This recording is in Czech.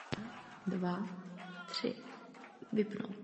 To je v současných nelehkých ekonomických podmínkách velmi nepříjemné.